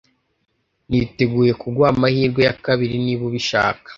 Niteguye kuguha amahirwe ya kabiri niba ubishaka